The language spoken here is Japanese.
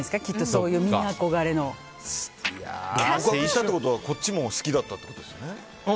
そういう、みんな憧れの。ってことはこっちも好きだったってことですよね。